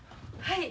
はい。